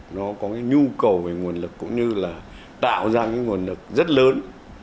nó có cái nhu cầu về nguồn lực cũng như là tạo ra cái nguồn lực rất lớn